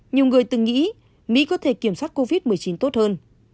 nhiều người từng nghĩ mỹ có thể kiểm soát covid một mươi chín tốt hơn